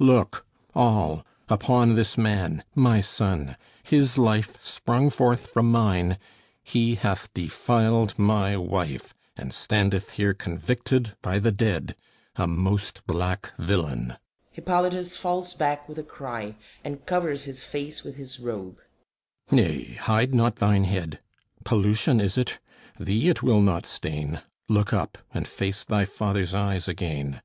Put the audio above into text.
Look, all, upon this man, my son, his life Sprung forth from mine! He hath defiled my wife; And standeth here convicted by the dead, A most black villain! [HIPPOLYTUS falls back with a cry and covers his face with his robe.] Nay, hide not thine head! Pollution, is it? Thee it will not stain. Look up, and face thy Father's eyes again!